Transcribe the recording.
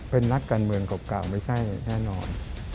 เป็นนักการเมืองเก่าไม่ใช่แน่นอน